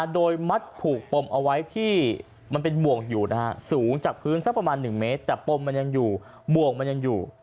โดยมัดผูกปมเอาไว้ที่มันเป็นบ่วงอยู่นะฮะสูงจากพื้นสักประมาณ๑เมตรแต่ปมมันยังอยู่บ่วงมันยังอยู่